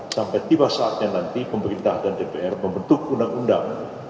sampai tiba saatnya nanti pemerintah dan dpr membentuk undang undang